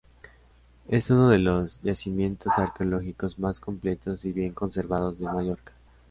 Es uno de los yacimientos arqueológicos más completos y bien conservados de Mallorca.